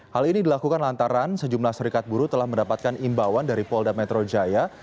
hal ini dilakukan lantaran sejumlah serikat buruh telah mendapatkan imbauan dari polda metro jaya